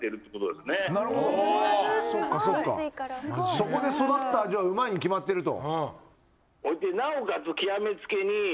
そこで育ったアジはうまいに決まってると。